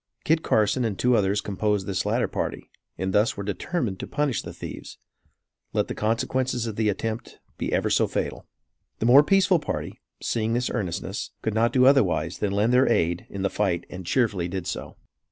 Kit Carson and two others composed this latter party and thus were determined to punish the thieves, let the consequences of the attempt be ever so fatal. The more peaceful party, seeing this earnestness, could not do otherwise than lend their aid in the fight and cheerfully did so.